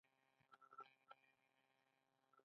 د کاربن مالیه هلته رواج ده.